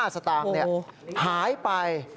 ๗๕สตางค์เนี่ยหายไป